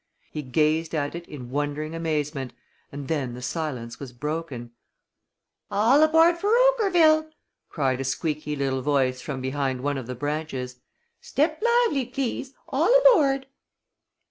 He gazed at it in wondering amazement, and then the silence was broken. "All aboard for Ogreville!" cried a squeaky little voice from behind one of the branches. "Step lively, please! All aboard!"